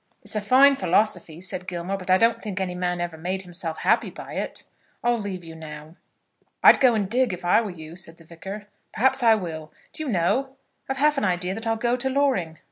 "It's a fine philosophy," said Gilmore, "but I don't think any man ever made himself happy by it. I'll leave you now." "I'd go and dig, if I were you," said the Vicar. "Perhaps I will. Do you know, I've half an idea that I'll go to Loring."